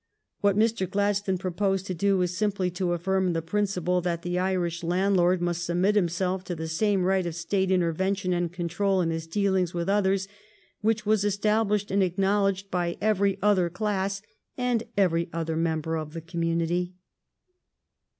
What Mr. Gladstone proposed to do was simply to affirm the principle that the Irish landlord must submit himself to the same right of State inter vention and control in his dealings with others which was established and acknowledged by every other class and every other member of the community.